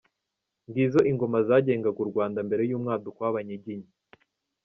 Ng’izo Ingoma zagengaga u Rwanda mbere y’umwaduko w’Abanyiginya.